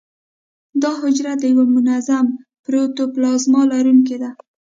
دا حجره د یو منظم پروتوپلازم لرونکې ده.